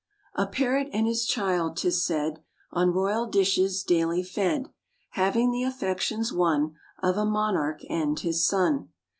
A Parrot and his child, 'tis said, On royal dishes daily fed, Having the affections won Of a monarch and his son.